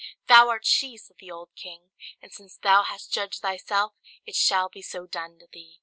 "Thou art she!" said the old king; "and since thou hast judged thyself, it shall be so done to thee."